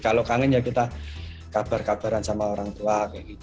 kalau kangen ya kita kabar kabaran sama orang tua